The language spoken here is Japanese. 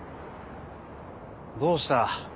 どうした？